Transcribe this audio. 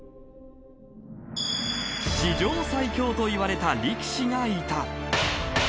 史上最強といわれた力士がいた。